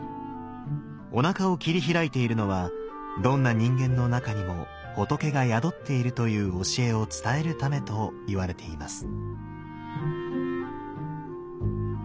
おなかを切り開いているのはどんな人間の中にも仏が宿っているという教えを伝えるためといわれています。